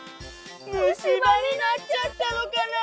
むしばになっちゃったのかなあ？